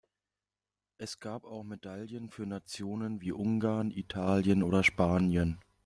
Es gab auch Medaillen für Nationen wie Ungarn, Italien oder Spanien.